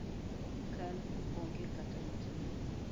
Kal onge kata matin